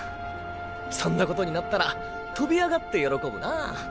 そんなことになったら飛び上がって喜ぶなァ。